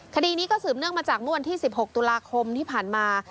คดีนี้ก็สืบเนื่องมาจากเมื่อวันที่๑๖ตุลาคมที่ผ่านมา